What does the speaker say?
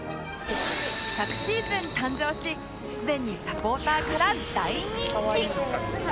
昨シーズン誕生しすでにサポーターから大人気